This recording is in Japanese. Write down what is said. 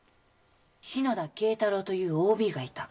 篠田敬太郎というＯＢがいた。